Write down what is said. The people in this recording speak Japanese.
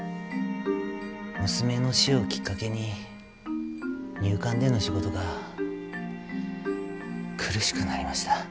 娘の死をきっかけに入管での仕事が苦しくなりました。